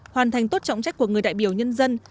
hoàn thành tốt trọng trách của người đại biểu nhân dân